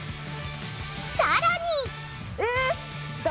さらに！